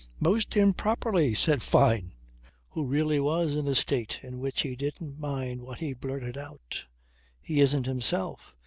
"Most improperly," said Fyne, who really was in a state in which he didn't mind what he blurted out. "He isn't himself.